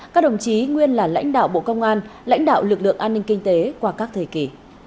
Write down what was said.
các đồng chí nguyên là lãnh đạo bộ công an lãnh đạo lực lượng an ninh kinh tế qua các thời kỳ